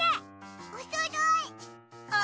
おそろい！